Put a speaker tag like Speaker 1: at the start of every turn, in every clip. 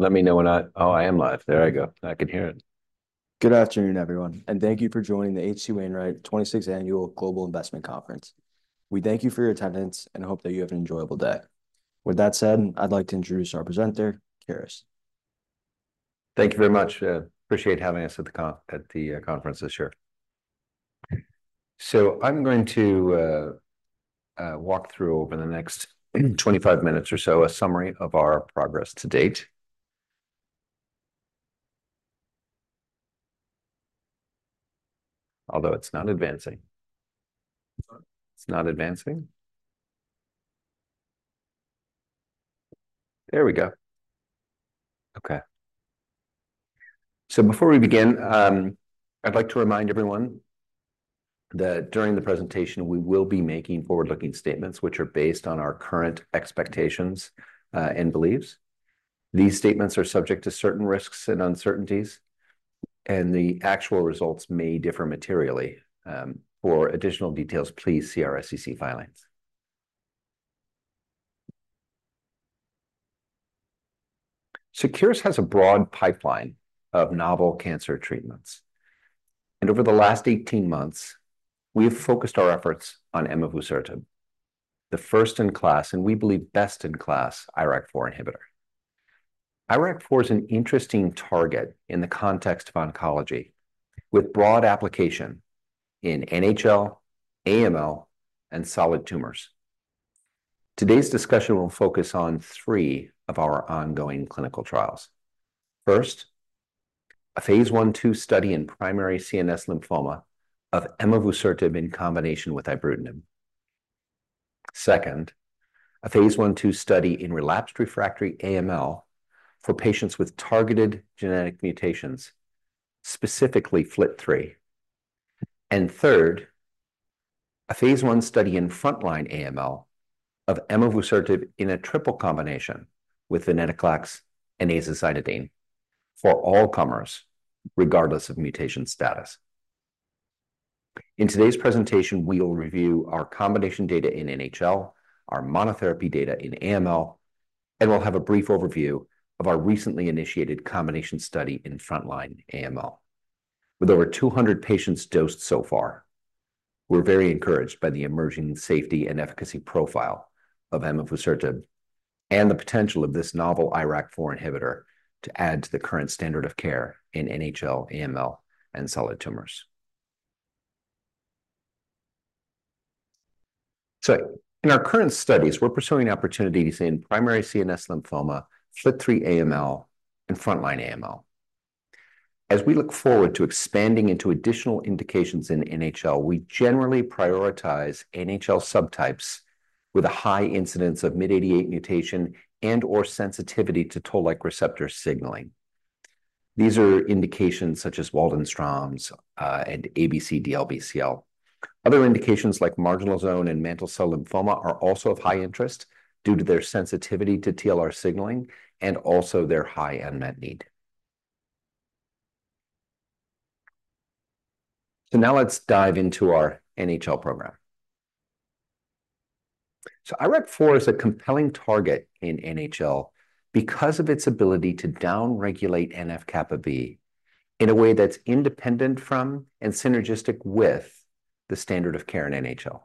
Speaker 1: Let me know when. Oh, I am live. There I go. I can hear it.
Speaker 2: Good afternoon, everyone, and thank you for joining the H.C. Wainwright 26th Annual Global Investment Conference. We thank you for your attendance and hope that you have an enjoyable day. With that said, I'd like to introduce our presenter, Curis.
Speaker 1: Thank you very much. Appreciate having us at the conference this year. So I'm going to walk through over the next 25 minutes or so a summary of our progress to date. Although it's not advancing. It's not advancing? There we go. Okay. So before we begin, I'd like to remind everyone that during the presentation, we will be making forward-looking statements, which are based on our current expectations and beliefs. These statements are subject to certain risks and uncertainties, and the actual results may differ materially. For additional details, please see our SEC filings. So Curis has a broad pipeline of novel cancer treatments, and over the last eighteen months, we've focused our efforts on emavusertib, the first-in-class, and we believe best-in-class IRAK4 inhibitor. IRAK4 is an interesting target in the context of oncology, with broad application in NHL, AML, and solid tumors. Today's discussion will focus on three of our ongoing clinical trials. First, a phase I/II study in primary CNS lymphoma of emavusertib in combination with ibrutinib. Second, a phase I/II study in relapsed refractory AML for patients with targeted genetic mutations, specifically FLT3. And third, a phase I study in frontline AML of emavusertib in a triple combination with venetoclax and azacitidine for all comers, regardless of mutation status. In today's presentation, we will review our combination data in NHL, our monotherapy data in AML, and we'll have a brief overview of our recently initiated combination study in frontline AML. With over two hundred patients dosed so far, we're very encouraged by the emerging safety and efficacy profile of emavusertib and the potential of this novel IRAK4 inhibitor to add to the current standard of care in NHL, AML, and solid tumors. So in our current studies, we're pursuing opportunities in primary CNS lymphoma, FLT3 AML, and frontline AML. As we look forward to expanding into additional indications in NHL, we generally prioritize NHL subtypes with a high incidence of MYD88 mutation and/or sensitivity to Toll-like receptor signaling. These are indications such as Waldenstrom's, and ABC DLBCL. Other indications, like marginal zone and mantle cell lymphoma, are also of high interest due to their sensitivity to TLR signaling and also their high unmet need. So now let's dive into our NHL program. IRAK4 is a compelling target in NHL because of its ability to downregulate NF-kappaB in a way that's independent from and synergistic with the standard of care in NHL.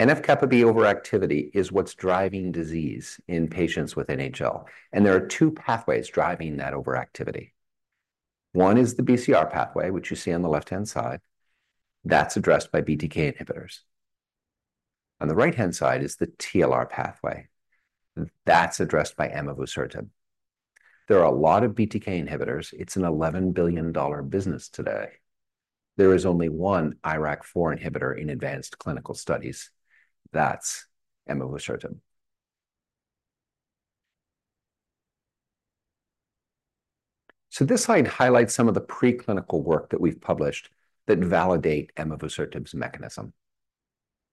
Speaker 1: NF-kappaB overactivity is what's driving disease in patients with NHL, and there are two pathways driving that overactivity. One is the BCR pathway, which you see on the left-hand side. That's addressed by BTK inhibitors. On the right-hand side is the TLR pathway. That's addressed by emavusertib. There are a lot of BTK inhibitors. It's an $11 billion business today. There is only one IRAK4 inhibitor in advanced clinical studies. That's emavusertib. So this slide highlights some of the preclinical work that we've published that validate emavusertib's mechanism.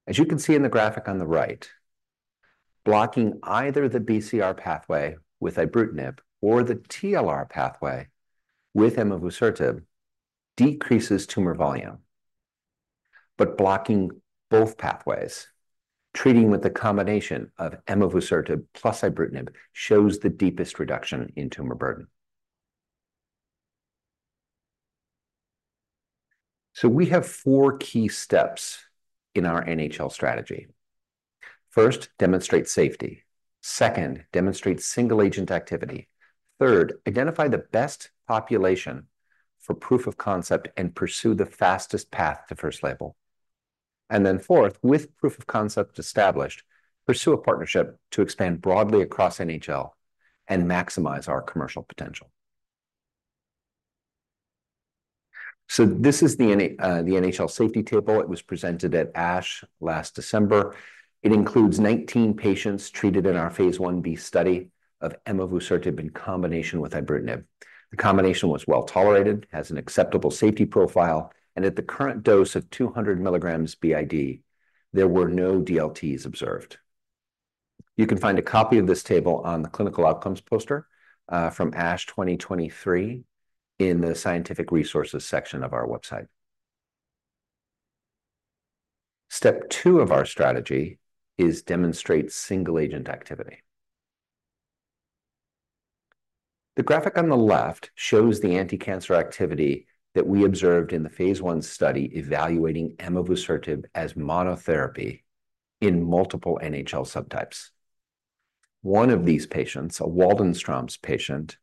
Speaker 1: As you can see in the graphic on the right, blocking either the BCR pathway with ibrutinib or the TLR pathway with emavusertib decreases tumor volume. But blocking both pathways, treating with the combination of emavusertib plus ibrutinib, shows the deepest reduction in tumor burden. So we have four key steps in our NHL strategy. First, demonstrate safety. Second, demonstrate single-agent activity. Third, identify the best population for proof of concept and pursue the fastest path to first label. And then fourth, with proof of concept established, pursue a partnership to expand broadly across NHL and maximize our commercial potential. So this is the NHL safety table. It was presented at ASH last December. It includes 19 patients treated in our phase I-B study of emavusertib in combination with ibrutinib. The combination was well-tolerated, has an acceptable safety profile, and at the current dose of 200 milligrams BID, there were no DLTs observed. You can find a copy of this table on the clinical outcomes poster from ASH 2023 in the Scientific Resources section of our website.... Step two of our strategy is demonstrate single-agent activity. The graphic on the left shows the anticancer activity that we observed in the phase I study evaluating emavusertib as monotherapy in multiple NHL subtypes. One of these patients, a Waldenstrom's patient,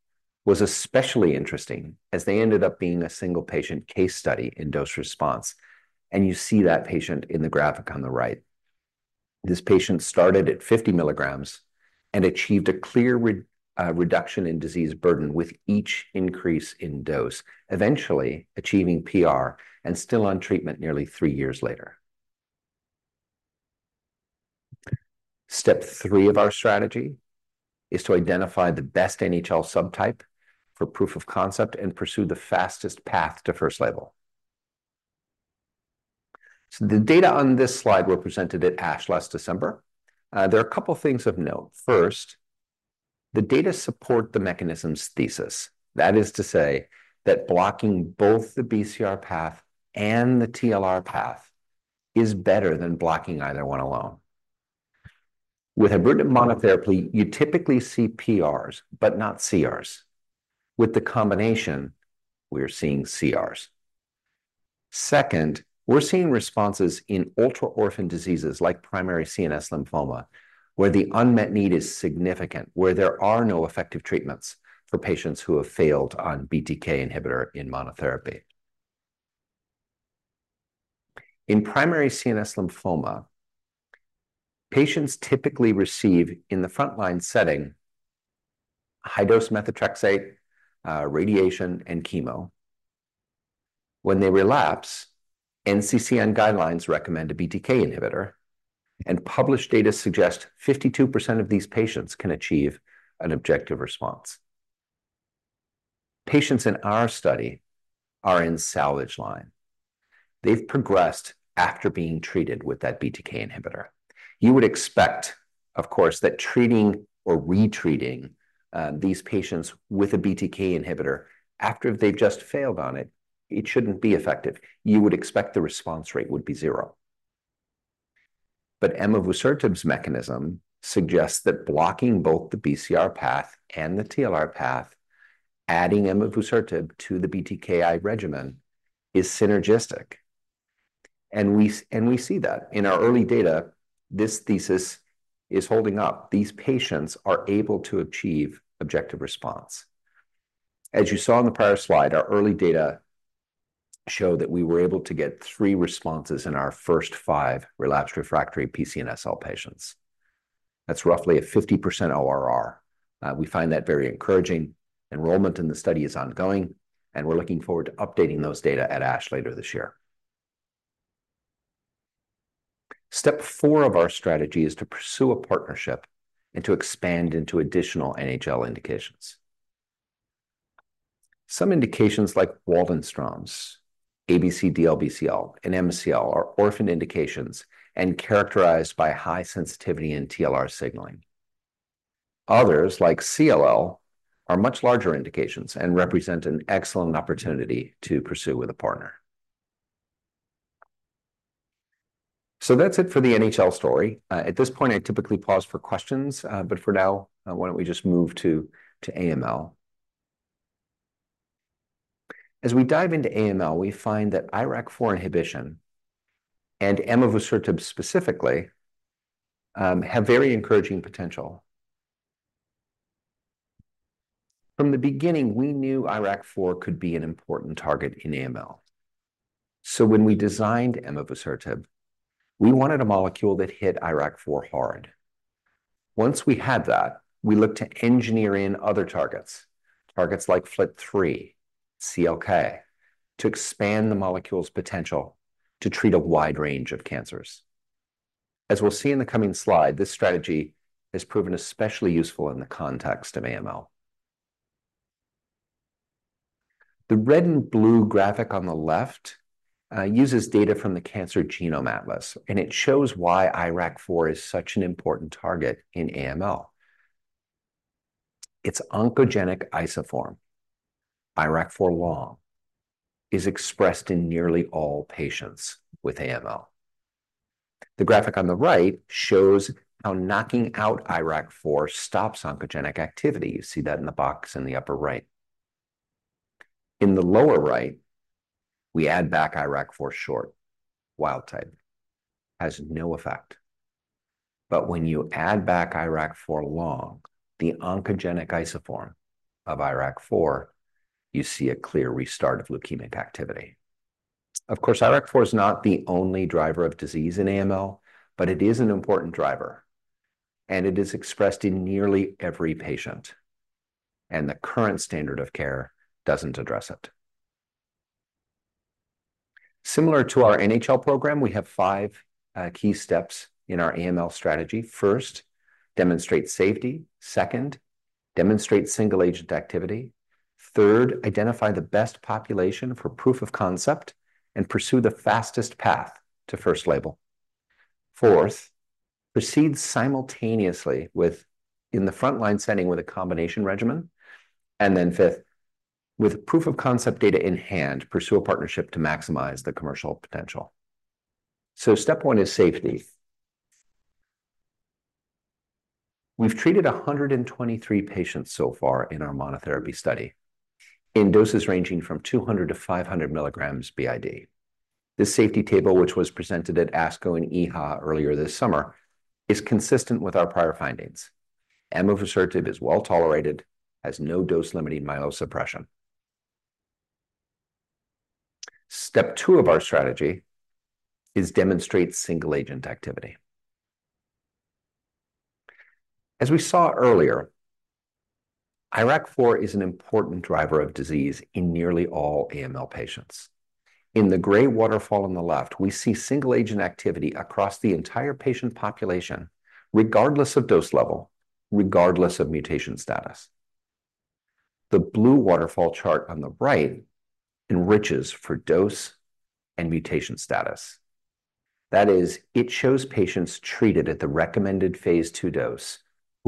Speaker 1: was especially interesting, as they ended up being a single-patient case study in dose response, and you see that patient in the graphic on the right. This patient started at 50 milligrams and achieved a clear reduction in disease burden with each increase in dose, eventually achieving PR and still on treatment nearly three years later. Step three of our strategy is to identify the best NHL subtype for proof of concept and pursue the fastest path to first label. The data on this slide were presented at ASH last December. There are a couple things of note. First, the data support the mechanisms thesis. That is to say that blocking both the BCR path and the TLR path is better than blocking either one alone. With ibrutinib monotherapy, you typically see PRs but not CRs. With the combination, we're seeing CRs. Second, we're seeing responses in ultra-orphan diseases like primary CNS lymphoma, where the unmet need is significant, where there are no effective treatments for patients who have failed on BTK inhibitor in monotherapy. In primary CNS lymphoma, patients typically receive, in the frontline setting, high-dose methotrexate, radiation, and chemo. When they relapse, NCCN guidelines recommend a BTK inhibitor, and published data suggest 52% of these patients can achieve an objective response. Patients in our study are in salvage line. They've progressed after being treated with that BTK inhibitor. You would expect, of course, that treating or re-treating these patients with a BTK inhibitor after they've just failed on it, it shouldn't be effective. You would expect the response rate would be zero. But emavusertib's mechanism suggests that blocking both the BCR path and the TLR path, adding emavusertib to the BTKI regimen, is synergistic, and we see that. In our early data, this thesis is holding up. These patients are able to achieve objective response. As you saw in the prior slide, our early data show that we were able to get three responses in our first five relapsed refractory PCNSL patients. That's roughly a 50% ORR. We find that very encouraging. Enrollment in the study is ongoing, and we're looking forward to updating those data at ASH later this year. Step four of our strategy is to pursue a partnership and to expand into additional NHL indications. Some indications, like Waldenstrom's, ABC DLBCL, and MCL, are orphan indications and characterized by high sensitivity in TLR signaling. Others, like CLL, are much larger indications and represent an excellent opportunity to pursue with a partner. So that's it for the NHL story. At this point, I typically pause for questions, but for now, why don't we just move to AML? As we dive into AML, we find that IRAK4 inhibition, and emavusertib specifically, have very encouraging potential. From the beginning, we knew IRAK4 could be an important target in AML. So when we designed emavusertib, we wanted a molecule that hit IRAK4 hard. Once we had that, we looked to engineer in other targets, targets like FLT3, CLK, to expand the molecule's potential to treat a wide range of cancers. As we'll see in the coming slide, this strategy has proven especially useful in the context of AML. The red and blue graphic on the left uses data from the Cancer Genome Atlas, and it shows why IRAK4 is such an important target in AML. Its oncogenic isoform, IRAK4 long, is expressed in nearly all patients with AML. The graphic on the right shows how knocking out IRAK4 stops oncogenic activity. You see that in the box in the upper right. In the lower right, we add back IRAK4 short, wild type. Has no effect, but when you add back IRAK4 long, the oncogenic isoform of IRAK4, you see a clear restart of leukemic activity. Of course, IRAK4 is not the only driver of disease in AML, but it is an important driver, and it is expressed in nearly every patient, and the current standard of care doesn't address it. Similar to our NHL program, we have five key steps in our AML strategy. First, demonstrate safety. Second, demonstrate single-agent activity. Third, identify the best population for proof of concept and pursue the fastest path to first label. Fourth, proceed simultaneously in the frontline setting with a combination regimen. Fifth, with proof-of-concept data in hand, pursue a partnership to maximize the commercial potential. So step one is safety. We've treated 123 patients so far in our monotherapy study in doses ranging from 200 to 500 milligrams BID. This safety table, which was presented at ASCO and EHA earlier this summer, is consistent with our prior findings. Emavusertib is well-tolerated, has no dose-limiting myelosuppression. Step two of our strategy is demonstrate single-agent activity. As we saw earlier, IRAK4 is an important driver of disease in nearly all AML patients. In the gray waterfall on the left, we see single-agent activity across the entire patient population, regardless of dose level, regardless of mutation status. The blue waterfall chart on the right enriches for dose and mutation status. That is, it shows patients treated at the recommended phase II dose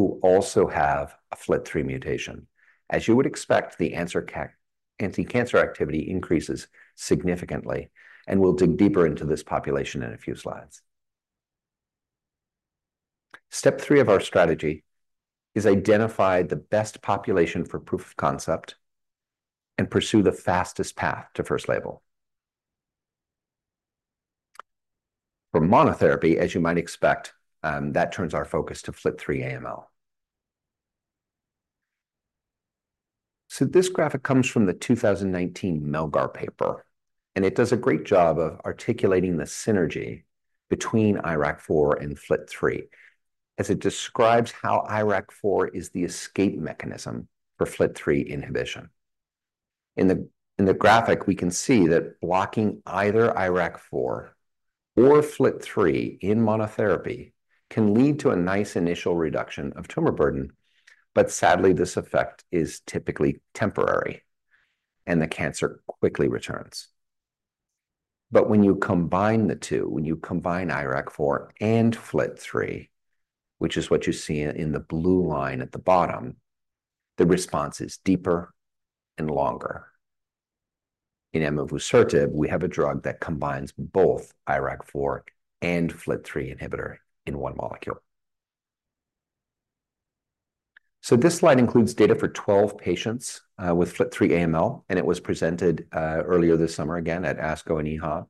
Speaker 1: who also have a FLT3 mutation. As you would expect, the anticancer activity increases significantly, and we'll dig deeper into this population in a few slides. Step three of our strategy is identify the best population for proof of concept and pursue the fastest path to first label. For monotherapy, as you might expect, that turns our focus to FLT3 AML. So this graphic comes from the 2019 Melgar paper, and it does a great job of articulating the synergy between IRAK4 and FLT3, as it describes how IRAK4 is the escape mechanism for FLT3 inhibition. In the graphic, we can see that blocking either IRAK4 or FLT3 in monotherapy can lead to a nice initial reduction of tumor burden, but sadly, this effect is typically temporary, and the cancer quickly returns. But when you combine the two, when you combine IRAK4 and FLT3, which is what you see in the blue line at the bottom, the response is deeper and longer. In emavusertib, we have a drug that combines both IRAK4 and FLT3 inhibitor in one molecule. So this slide includes data for 12 patients with FLT3 AML, and it was presented earlier this summer, again, at ASCO and EHA.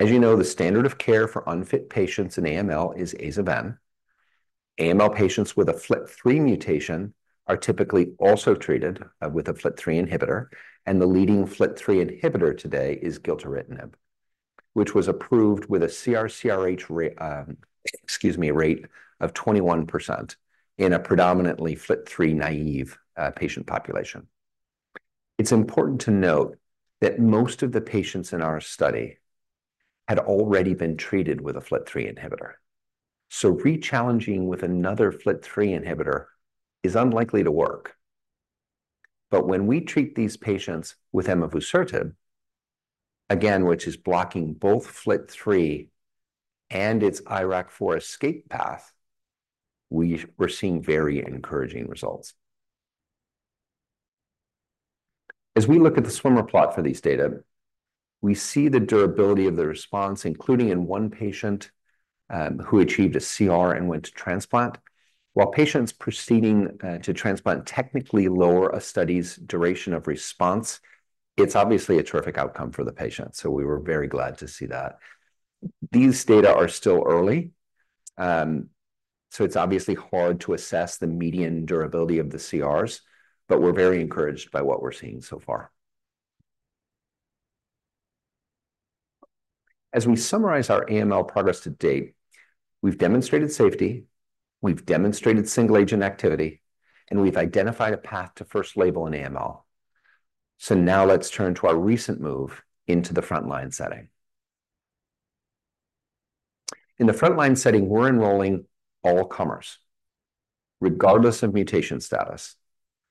Speaker 1: As you know, the standard of care for unfit patients in AML is Aza-Ven. AML patients with a FLT3 mutation are typically also treated with a FLT3 inhibitor, and the leading FLT3 inhibitor today is gilteritinib, which was approved with a CR/CRh rate of 21% in a predominantly FLT3-naive patient population. It's important to note that most of the patients in our study had already been treated with a FLT3 inhibitor, so rechallenging with another FLT3 inhibitor is unlikely to work. But when we treat these patients with emavusertib, again, which is blocking both FLT3 and its IRAK4 escape path, we're seeing very encouraging results. As we look at the swimmer plot for these data, we see the durability of the response, including in one patient who achieved a CR and went to transplant. While patients proceeding to transplant technically lower a study's duration of response, it's obviously a terrific outcome for the patient, so we were very glad to see that. These data are still early, so it's obviously hard to assess the median durability of the CRs, but we're very encouraged by what we're seeing so far. As we summarize our AML progress to date, we've demonstrated safety, we've demonstrated single-agent activity, and we've identified a path to first label in AML, so now let's turn to our recent move into the frontline setting. In the frontline setting, we're enrolling all comers, regardless of mutation status,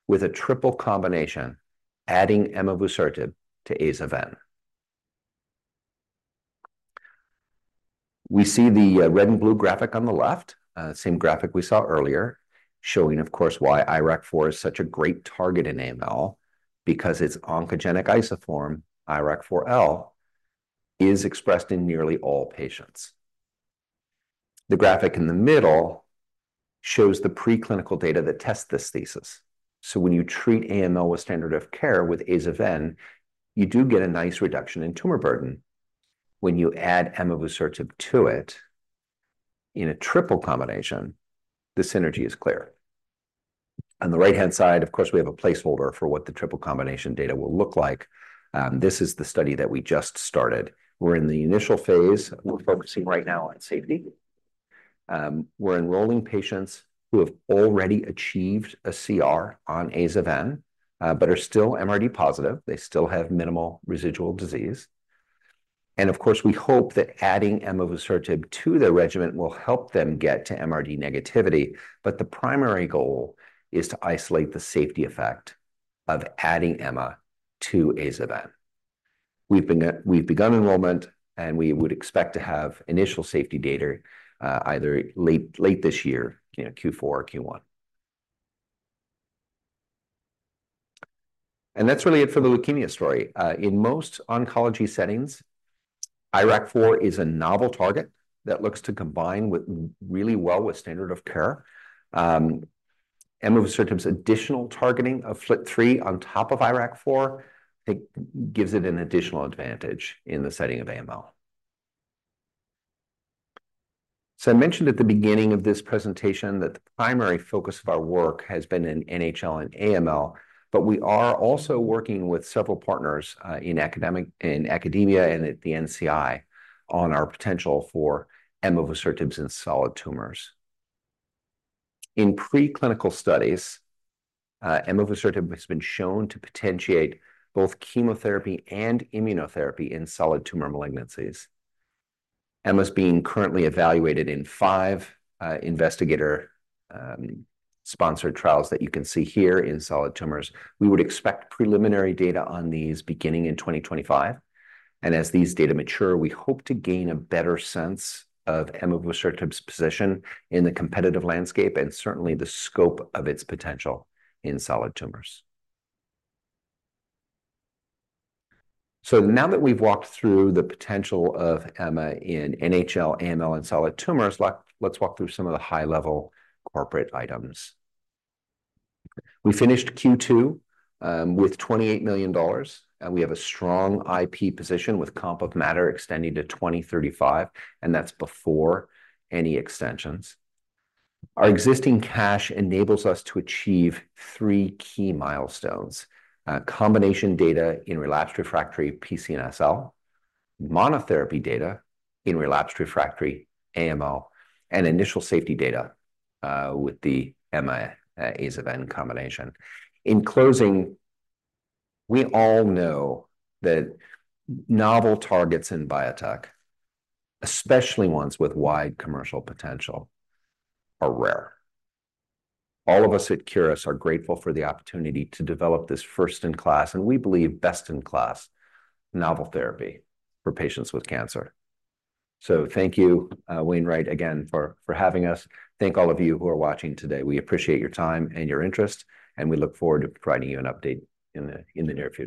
Speaker 1: with a triple combination, adding emavusertib to Aza-Ven. We see the red and blue graphic on the left, same graphic we saw earlier, showing, of course, why IRAK4 is such a great target in AML because its oncogenic isoform, IRAK4L, is expressed in nearly all patients. The graphic in the middle shows the preclinical data that test this thesis. So when you treat AML with standard of care with Aza-Ven, you do get a nice reduction in tumor burden. When you add emavusertib to it in a triple combination, the synergy is clear. On the right-hand side, of course, we have a placeholder for what the triple combination data will look like. This is the study that we just started. We're in the initial phase. We're focusing right now on safety. We're enrolling patients who have already achieved a CR on Aza-Ven, but are still MRD positive. They still have minimal residual disease. Of course, we hope that adding emavusertib to the regimen will help them get to MRD negativity, but the primary goal is to isolate the safety effect of adding Ema to Aza-Ven. We've begun enrollment, and we would expect to have initial safety data either late this year, you know, Q4 or Q1. That's really it for the leukemia story. In most oncology settings, IRAK4 is a novel target that looks to combine with really well with standard of care. Emavusertib's additional targeting of FLT3 on top of IRAK4, I think, gives it an additional advantage in the setting of AML. So I mentioned at the beginning of this presentation that the primary focus of our work has been in NHL and AML, but we are also working with several partners in academia and at the NCI on our potential for emavusertib in solid tumors. In preclinical studies, emavusertib has been shown to potentiate both chemotherapy and immunotherapy in solid tumor malignancies. Ema's being currently evaluated in five investigator sponsored trials that you can see here in solid tumors. We would expect preliminary data on these beginning in 2025, and as these data mature, we hope to gain a better sense of emavusertib's position in the competitive landscape and certainly the scope of its potential in solid tumors. So now that we've walked through the potential of Ema in NHL, AML, and solid tumors, let's walk through some of the high-level corporate items. We finished Q2 with $28 million, and we have a strong IP position, with comp of matter extending to 2035, and that's before any extensions. Our existing cash enables us to achieve three key milestones: combination data in relapsed refractory PCNSL, monotherapy data in relapsed refractory AML, and initial safety data with the Ema Aza-Ven combination. In closing, we all know that novel targets in biotech, especially ones with wide commercial potential, are rare. All of us at Curis are grateful for the opportunity to develop this first-in-class, and we believe best-in-class, novel therapy for patients with cancer. So thank you, Wainwright, again, for having us. Thank all of you who are watching today. We appreciate your time and your interest, and we look forward to providing you an update in the near future.